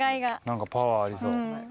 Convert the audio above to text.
何かパワーありそう。